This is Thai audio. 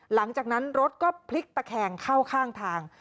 หลังจากนั้นรถก็พลิกตะแคงเข้าข้างทาง